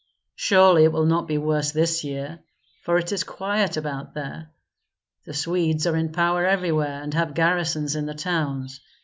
Surely it will not be worse this year, for it is quiet about there. The Swedes are in power everywhere, and have garrisons in the towns.